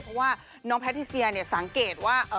เพราะว่าน้องแพทิเซียเนี่ยสังเกตว่า